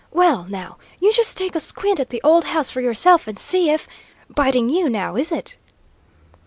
Well, now, you just take a squint at the old house for yourself and see if biting you, now, is it?"